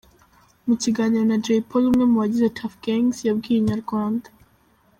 Mu kiganiro na Jay Polly umwe mu bagize Tuff Gangz yabwiye Inyarwanda.